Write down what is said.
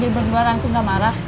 saya berdua orang itu gak marah